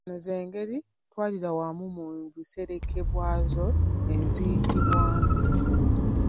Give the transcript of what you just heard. Zino z’engeri ttwalirawamu mu busengeke bwazo eziyitibwamu.